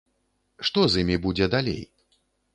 Што з імі будзе далей?